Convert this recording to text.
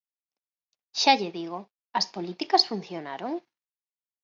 Xa lle digo: ¿as políticas funcionaron?